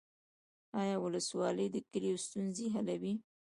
آیا ولسوال د کلیو ستونزې حلوي؟